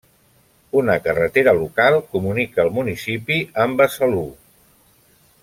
Una carretera local comunica el municipi amb Besalú.